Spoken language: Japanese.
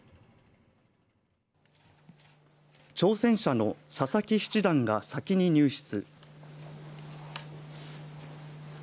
挑戦者の佐々木七段が先に入室。